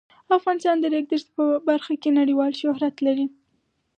افغانستان د د ریګ دښتې په برخه کې نړیوال شهرت لري.